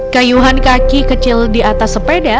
kayuhan kaki kecil di atas sepeda